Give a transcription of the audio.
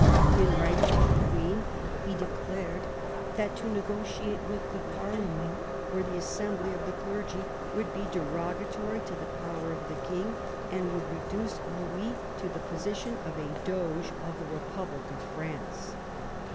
In writing to the queen he declared that to negotiate with the parlement or the assembly of the clergy would be derogatory to the power of the king, and would reduce Louis to the position of a doge of the republic of France.